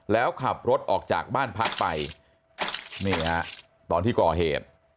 แล้วขับรถออกจากบ้านพักไปนี่ฮะตอนที่ก่อเหตุ